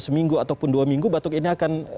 seminggu ataupun dua minggu batuk ini akan